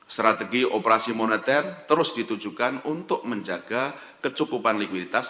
strategi operasi moneter terus ditujukan untuk menjaga kecukupan likuiditas